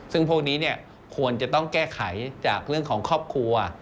ซึ่งพวกนี้ควรจะต้องแก้ไขจากเรื่องของครอบครัว